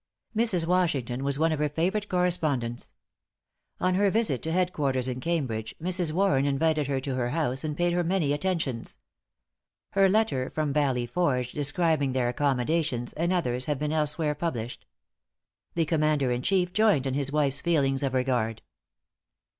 Mrs. Washington was one of her favorite correspondents. On her visit to head quarters in Cambridge, Mrs. Warren invited her to her house, and paid her many attentions. Her letter from Valley Forge, describing their accommodations, and others have been elsewhere published. The Commander in chief joined in his wife's feelings of regard.